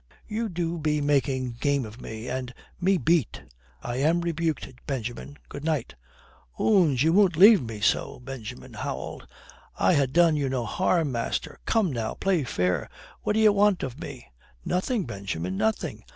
"You do be making game of me, and me beat." "I am rebuked, Benjamin. Good night." "Oons, ye won't leave me so?" Benjamin howled. "I ha' done you no harm, master. Come now, play fair. What d'ye want of me?" "Nothing, Benjamin, nothing.